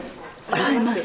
洗えます。